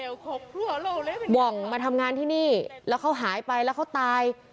เดี๋ยวบ่องมาทำงานที่นี่แล้วเขาหายไปแล้วเขาตาย